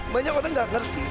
banyak orang tidak mengerti